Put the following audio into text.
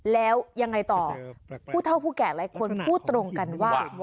แล้วยังไงต่อผู้เท่าผู้แก่หลายคนพูดตรงกันว่า